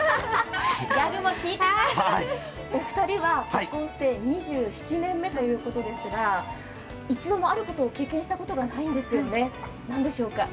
ギャグも効いてます、お二人は結婚して２７年目ということですが一度もあることを経験したことがないんですよね、何でしょうか？